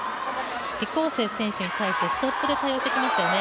李皓晴選手に対してストップで対応してきましたね。